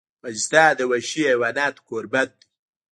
افغانستان د وحشي حیوانات کوربه دی.